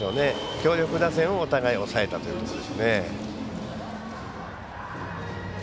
強力打線をお互い抑えたということですね。